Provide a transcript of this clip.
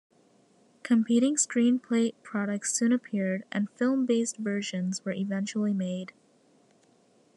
Competing screen plate products soon appeared and film-based versions were eventually made.